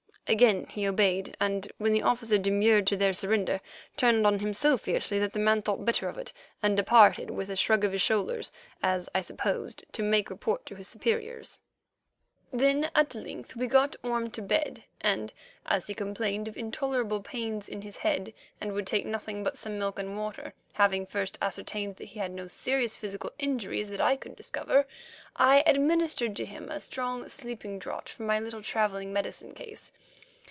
Again he obeyed, and, when the officer demurred to their surrender, turned on him so fiercely that the man thought better of it and departed with a shrug of his shoulders, as I supposed to make report to his superiors. Then at length we got Orme to bed, and, as he complained of intolerable pains in his head and would take nothing but some milk and water, having first ascertained that he had no serious physical injuries that I could discover, I administered to him a strong sleeping draught from my little travelling medicine case.